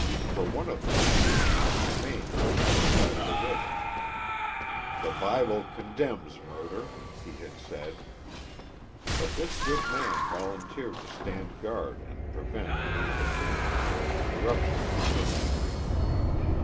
For one of the Hatfields had remained on the other side of the river. "The Bible condemns murder," he had said. But this good man volunteered to stand guard and prevent any interference or interruption of the butchery.